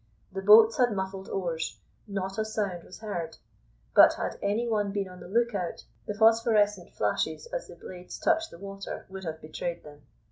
The boats had muffled oars; not a sound was heard; but had any one been on the lookout, the phosphorescent flashes as the blades touched the water would have betrayed them.